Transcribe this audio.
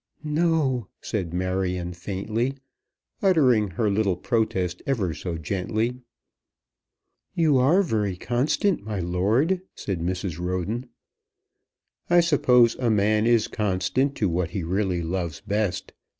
"No," said Marion faintly, uttering her little protest ever so gently. "You are very constant, my lord," said Mrs. Roden. "I suppose a man is constant to what he really loves best.